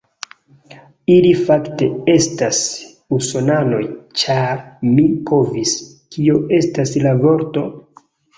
Ili fakte, estas usonanoj ĉar mi povis, kio estas la vorto?